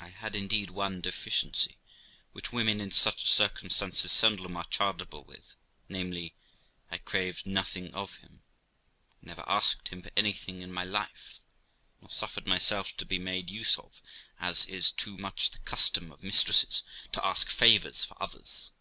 I had, indeed, one deficiency which women in such circum stances seldom are chargeable with, namely, I craved nothing of him, I never asked him for anything in my life, nor suffered myself to be made use of, as is too much the custom of mistresses, to ask favours for others.